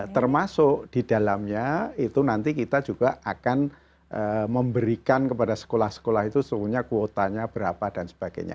termasuk di dalamnya itu nanti kita juga akan memberikan kepada sekolah sekolah itu seungguhnya kuotanya berapa dan sebagainya